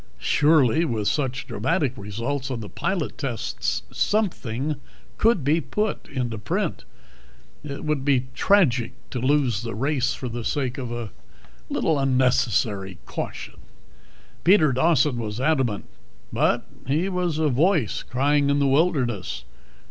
Surely with such dramatic results on the pilot tests something could be put into print. It would be tragic to lose the race for the sake of a little unnecessary caution.... Peter Dawson was adamant, but he was a voice crying in the wilderness.